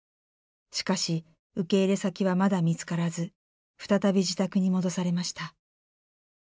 しかし受け入れ先はまだ見つからず再び自宅に戻されました。